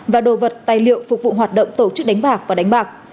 và đồ vật tài liệu phục vụ hoạt động tổ chức đánh bạc và đánh bạc